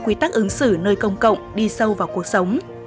quy tắc ứng xử nơi công cộng đi sâu vào cuộc sống